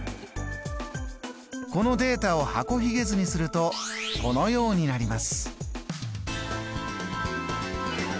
このデータを箱ひげ図にするとこのようになります。